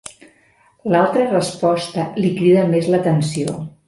L'altra resposta li crida més l'atenció.